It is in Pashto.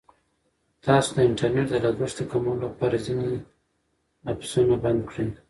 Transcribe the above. تاسو د انټرنیټ د لګښت د کمولو لپاره ځینې ایپسونه بند کړئ.